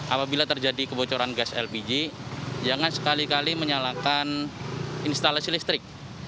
apabila terjadi kebocoran gas lpg jangan sekali kali menyalakan instalasi listrik